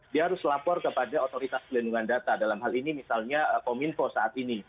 dia harus lapor kepada otoritas pelindungan data dalam hal ini misalnya kominfo saat ini